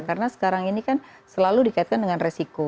karena sekarang ini kan selalu dikaitkan dengan resiko